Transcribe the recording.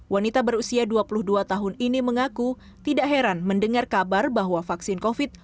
wanita berusia dua puluh dua tahun ini mengaku tidak heran mendengar kabar bahwa vaksin covid